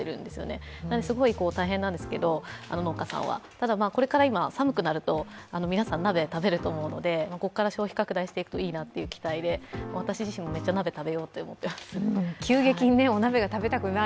農家さんはすごい大変なんですけど、ただ、これから今、寒くなると皆さん、鍋を食べると思うので、ここから消費が拡大していくといいなという期待で、私自身もめっちゃ鍋食べようと思っています。